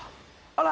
あら！